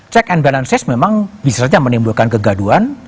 check and balances memang bisa saja menimbulkan kegaduan